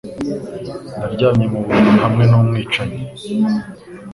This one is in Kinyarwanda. Ndaryamye mu buriri hamwe numwicanyi.